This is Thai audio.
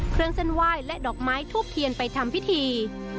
เครื่องเส้นไหว้และดอกไม้ทูบเทียนไปทำพิธี